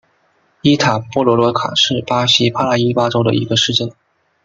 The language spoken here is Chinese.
伊塔波罗罗卡是巴西帕拉伊巴州的一个市镇。